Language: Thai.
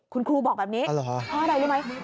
คุณครูบอกแบบนี้เพราะอะไรรู้ไหม